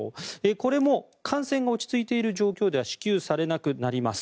これも感染が落ち着いている状況では支給されなくなります。